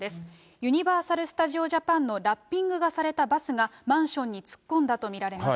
ユニバーサル・スタジオ・ジャパンのラッピングがされたバスが、マンションに突っ込んだと見られます。